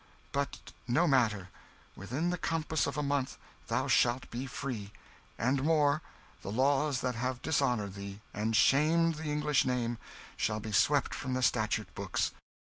But no matter within the compass of a month thou shalt be free; and more, the laws that have dishonoured thee, and shamed the English name, shall be swept from the statute books.